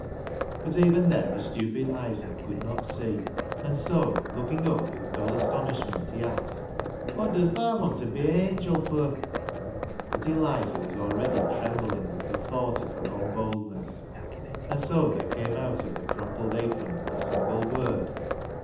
But even then the stupid Isaac could not see, and so, looking up with dull astonishment, he asked —" Wot does t/ma want ta be a hangil fur ?" But Eliza was already trembling with the thought of her own boldness, and so there came out of the crumpled apron the single word —" Nowt."